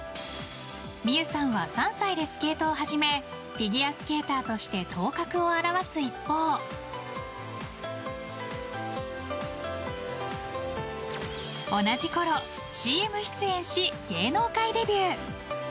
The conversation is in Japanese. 望結さんは３歳でスケートを始めフィギュアスケーターとして頭角を現す一方同じころ、ＣＭ出演し芸能界デビュー。